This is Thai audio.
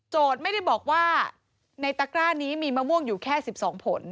ไม่ได้บอกว่าในตะกร้านี้มีมะม่วงอยู่แค่๑๒ผล